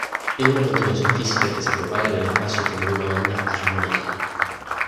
Es una perturbación física que se propaga en el espacio como una onda armónica.